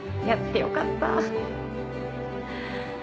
やってよかった。